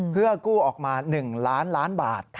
เพื่อกู้ออกมา๑ล้านล้านบาท